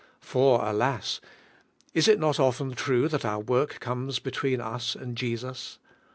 For, alas! is it not often true i hiil our work I S between ns and Jesus?